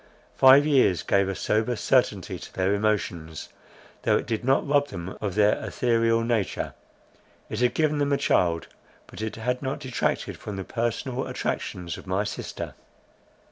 Five years gave a sober certainty to their emotions, though it did not rob them of their etherial nature. It had given them a child; but it had not detracted from the personal attractions of my sister.